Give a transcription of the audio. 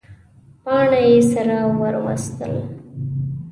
باڼه یې سره ور وستل.